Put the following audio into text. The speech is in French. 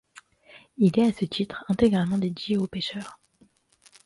Il est à ce titre intégralement dédié aux pêcheurs.